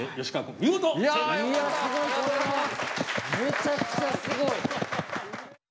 めちゃくちゃすごい。